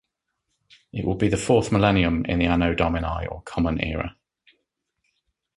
It will be the fourth millennium in the Anno Domini or Common Era.